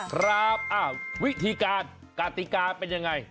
ครับวิธีการกติกาเป็นยังไง